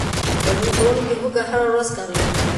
ګډون کوونکو هوږه هره ورځ کاروله.